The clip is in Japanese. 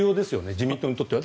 自民党にとっては。